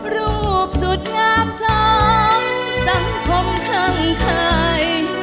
รูปสุดงามซ้ำสังคมข้างใคร